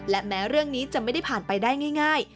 และแม้เรื่องนี้จะไม่ได้ผ่านไปได้ง่าย